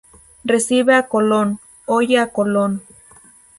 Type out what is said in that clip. Recibe a Colón; oye a Colón.